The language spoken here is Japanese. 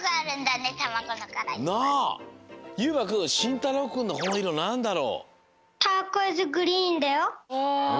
ゆうまくんしんたろうくんのこのいろなんだろう？ああ！